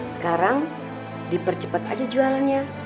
sekarang dipercepet aja jualannya